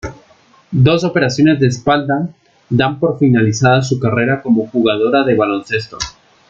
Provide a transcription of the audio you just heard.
Dos operaciones de espalda, dan por finalizada su carrera como jugadora de baloncesto.